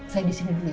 saya di sini dulu ya